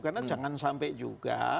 karena jangan sampai juga